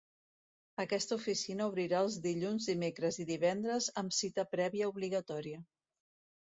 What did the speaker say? Aquesta oficina obrirà els dilluns, dimecres i divendres amb cita prèvia obligatòria.